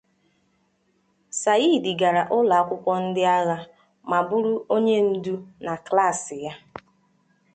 Sa'id gara ụlọ akwụkwọ ndị agha ma bụrụ onye mdụ na klaasị ya.